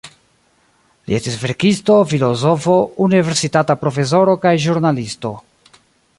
Li estis verkisto, filozofo, universitata profesoro kaj ĵurnalisto.